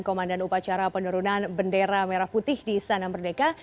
komandan upacara penurunan bendera merah putih di istana merdeka